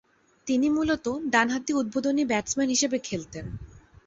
তিনি মূলতঃ ডানহাতি উদ্বোধনী ব্যাটসম্যান হিসেবে খেলতেন।